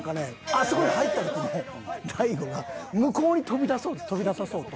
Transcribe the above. あそこに入った時も大悟が向こうに飛び出そう飛び出さそうと。